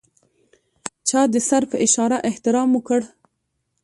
چا د سر په اشاره احترام وکړ.